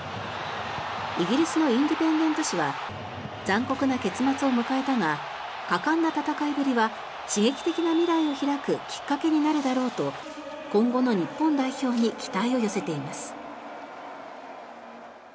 イギリスのインディペンデント紙は残酷な結末を迎えたが果敢な戦いぶりは刺激的な未来を開くきっかけになるだろうと今後の日本代表に期待を寄せています。